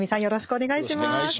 よろしくお願いします。